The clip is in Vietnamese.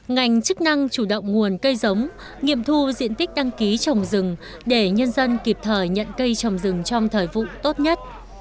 ngành chức năng chủ động nguồn cây giống nghiệm thu diện tích đăng ký trồng rừng để nhân dân kịp thời nhận cây trồng rừng trong thời vụ tốt nhất